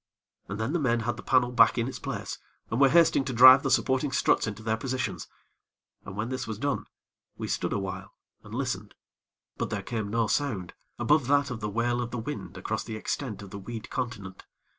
And then the men had the panel back in its place, and were hasting to drive the supporting struts into their positions. And when this was done, we stood awhile and listened; but there came no sound above that of the wail of the wind across the extent of the weed continent.